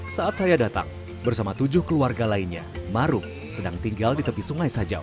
saat saya datang bersama tujuh keluarga lainnya maruf sedang tinggal di tepi sungai sajau